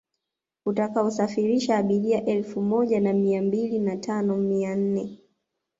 utakaosafirisha abiria elfu moja na mia mbili na tani mia nne